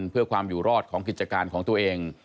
เพื่อความอยู่รอดของกิจการของตัวเอง